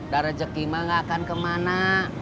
darah jekima gak akan kemana